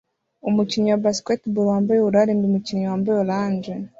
Umukinnyi wa basketball wambaye ubururu arinda umukinnyi wambaye orange